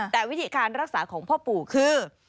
แต่วิธีการรักษาของพ่อปู่คือ